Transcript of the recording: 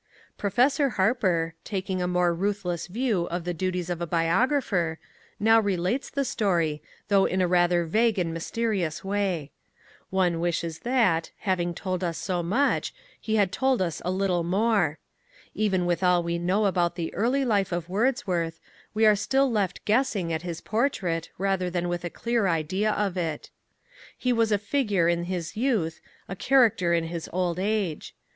Professor Harper, taking a more ruthless view of the duties of a biographer, now relates the story, though in a rather vague and mysterious way. One wishes that, having told us so much, he had told us a little more. Even with all we know about the early life of Wordsworth, we are still left guessing at his portrait rather than with a clear idea of it. He was a figure in his youth, a character in his old age.